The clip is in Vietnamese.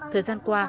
thời gian qua